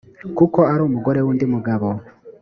kuko ari umugore w’undi mugabo